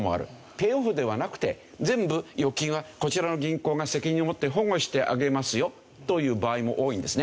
ペイオフではなくて全部預金はこちらの銀行が責任を持って保護してあげますよという場合も多いんですね。